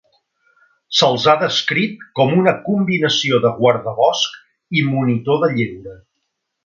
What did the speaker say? Se'ls ha descrit com una combinació de guardabosc i monitor de lleure.